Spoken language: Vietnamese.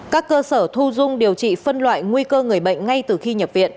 các cơ sở thu dung điều trị phân loại nguy cơ người bệnh ngay từ khi nhập viện